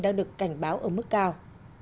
đang được cảnh báo ở mức cao